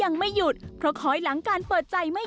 เราก็พอเพื่อต้องกล่องออกไป